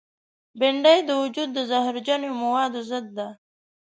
بېنډۍ د وجود د زهرجنو موادو ضد ده